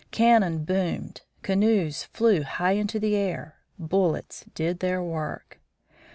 Cannon boomed; canoes flew high into the air; bullets did their work.